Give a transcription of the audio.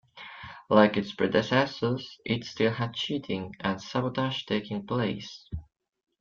Like its predecessors, it still had cheating and sabotage taking place.